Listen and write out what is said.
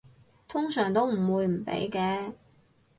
通常都唔會唔俾嘅